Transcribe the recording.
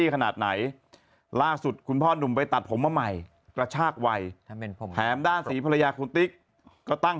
ขนาดไหนล่าสุดคุณพ่อหนุ่มไปตัดผมมาใหม่กระชากวัยแถมด้านศรีภรรยาคุณติ๊กก็ตั้ง